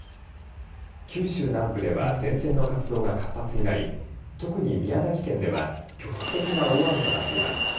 九州南部では前線の活動が活発になり特に宮崎県では局地的な大雨となっています。